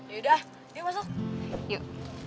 yaudah yuk masuk yuk